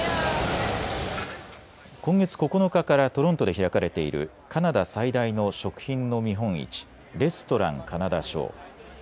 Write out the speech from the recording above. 今月９日からトロントで開かれているカナダ最大の食品の見本市、レストラン・カナダ・ショー。